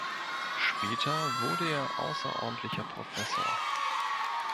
Später wurde er außerordentlicher Professor.